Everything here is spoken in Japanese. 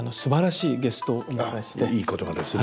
いい言葉ですね。